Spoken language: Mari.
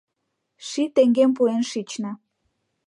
Ший теҥгем пуэн шична.